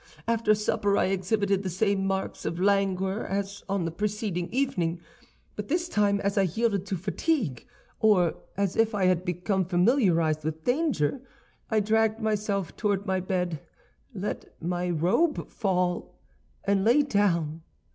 "After supper I exhibited the same marks of languor as on the preceding evening; but this time, as I yielded to fatigue, or as if I had become familiarized with danger, I dragged myself toward my bed, let my robe fall, and lay down.